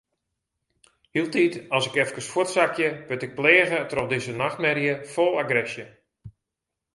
Hieltyd as ik eefkes fuortsakje, wurd ik pleage troch dizze nachtmerje fol agresje.